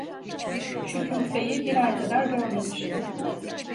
Şükufe'yi bir ay kadar görmemiştim.